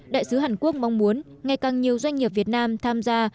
đại sứ hàn quốc mong muốn ngày càng nhiều doanh nghiệp việt nam tham gia